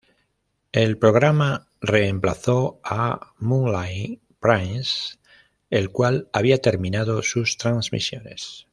El programa reemplazó a "Moonlight Prince", el cual había terminado sus transmisiones.